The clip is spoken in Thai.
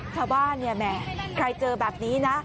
ถ้าว่าใครเจอแบบนี้นะ